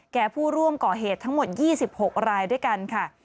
ผู้ร่วมก่อเหตุทั้งหมด๒๖รายด้วยกันค่ะ